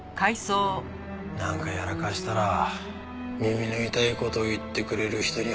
なんかやらかしたら耳の痛い事言ってくれる人に話せ。